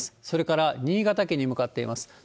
それから新潟県に向かっています。